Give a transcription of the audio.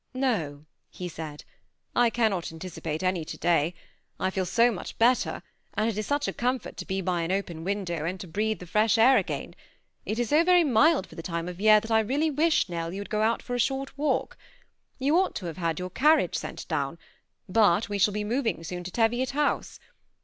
*^" No," he said ;^^ I cannot anticipate any to day. I feel so much better, and it is such a comfort to be by an open window, and to breathe the fresh air again ! It IS so very mild for the time of year, that I really wish, NeU, you would go out for a short walk. You ought to have had your carriage sent down ; but we shall be moving soon to Teviot House.